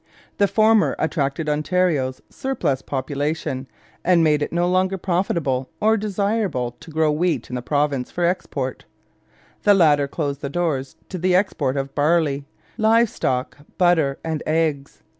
The former attracted Ontario's surplus population, and made it no longer profitable or desirable to grow wheat in the province for export; the latter closed the doors to the export of barley, live stock, butter, and eggs.